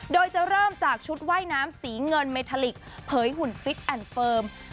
โดยจะเริ่มจากชุดว่ายน้ำสีเงินเมทาลิกเผยหุ่นฟิตแอนด์เฟิร์ม